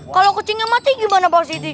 kalau kucingnya mati gimana pak sikiti